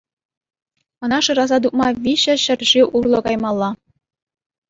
Ӑна шыраса тупма виҫӗ ҫӗршыв урлӑ каймалла.